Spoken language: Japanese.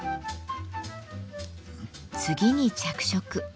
次に着色。